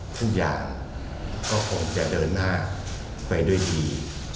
ทุกอย่างก็คงจะเดินหน้าไปด้วยดี